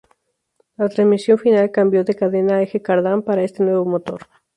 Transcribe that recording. La transmisión final cambió de cadena a eje cardán para este nuevo motor.